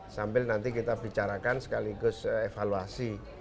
sambil nanti kita bicarakan sekaligus evaluasi